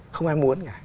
không ai muốn